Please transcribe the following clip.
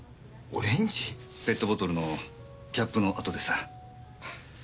ペットボトルのキャップの跡でした。